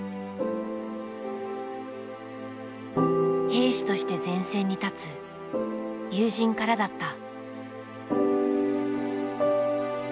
兵士として前線に立つ友人からだった。